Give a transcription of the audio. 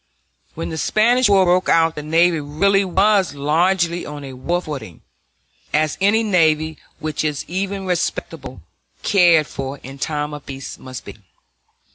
When the Spanish War broke out the navy really was largely on a war footing, as any navy which is even respectably cared for in time of peace must be.